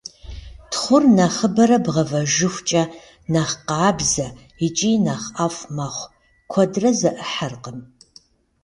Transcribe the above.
Тхъур нэхъыбэрэ бгъэвэжыхукӏэ, нэхъ къабзэ икӏи нэхъ ӏэфӏ мэхъу, куэдрэ зэӏыхьэркъым.